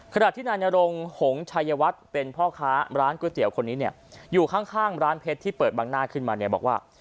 ขณะที่นายนรงหงชัยวัฒน์เป็นพ่อค้าร้านก๋วยเตี๋ยวคนนี้เนี่ยอยู่ข้างร้านเพชรที่เปิดบังหน้าขึ้นมาเนี่ยบอกว่า